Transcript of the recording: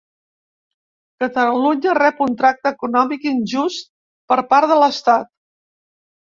Catalunya rep un tracte econòmic injust per part de l'Estat.